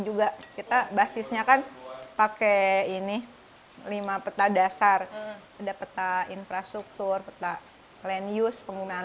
juga kita basisnya kan pakai ini lima peta dasar ada peta infrastruktur peta lenius penggunaan